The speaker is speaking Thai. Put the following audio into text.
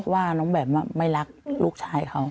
ว่าหนูแบบไม่รักลูกชายเขา